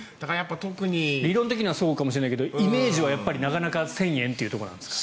理論的にはそうかもしれないけどイメージはなかなか１０００円というところなんですか。